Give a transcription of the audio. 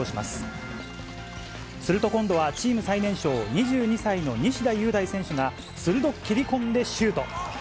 すると、今度はチーム最年少、２２歳の西田優大選手が鋭く切り込んでシュート。